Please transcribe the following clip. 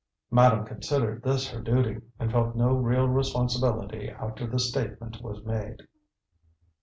Madame considered this her duty, and felt no real responsibility after the statement was made.